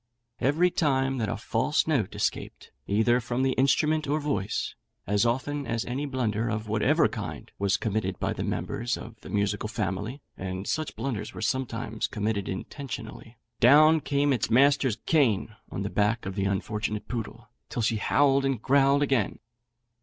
Every time that a false note escaped either from the instrument or voice as often as any blunder, of whatever kind, was committed by the members of the musical family (and such blunders were sometimes committed intentionally) down came its master's cane on the back of the unfortunate poodle, till she howled and growled again.